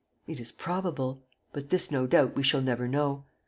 It is probable; but this, no doubt, we shall never know.